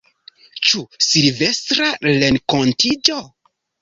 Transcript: Ĉu Silvestra renkontiĝo?